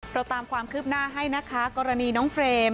ตามความคืบหน้าให้นะคะกรณีน้องเฟรม